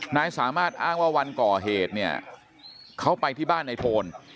นายสามารถอ้างว่าวันก่อเหตุเนี่ยเขาไปที่บ้านในโทน